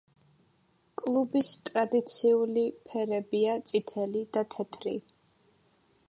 კლუბის ტრადიციული ფერებია წითელი და თეთრი.